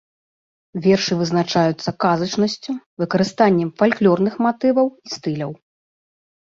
Вершы вызначаюцца казачнасцю, выкарыстаннем фальклорных матываў і стыляў.